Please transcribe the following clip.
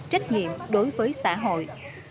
trách nhiệm đối với xã hội